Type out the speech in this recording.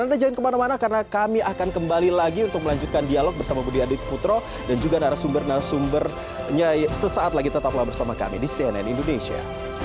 anda jangan kemana mana karena kami akan kembali lagi untuk melanjutkan dialog bersama budi adiputro dan juga narasumber narasumbernya sesaat lagi tetaplah bersama kami di cnn indonesia